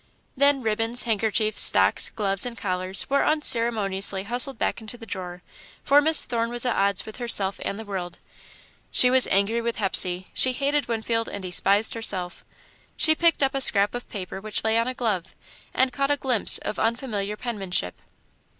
Then ribbons, handkerchiefs, stocks, gloves, and collars were unceremoniously hustled back into the drawer, for Miss Thorne was at odds with herself and the world. She was angry with Hepsey, she hated Winfield, and despised herself. She picked up a scrap of paper which lay on a glove, and caught a glimpse of unfamiliar penmanship.